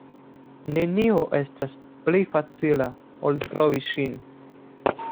Nenio estas pli facila, ol trovi ŝin.